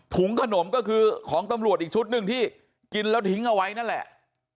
ถุงขนมก็คือของตำรวจอีกชุดหนึ่งที่กินแล้วทิ้งเอาไว้นั่นแหละ